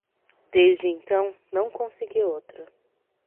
Desde então, não consegui outro.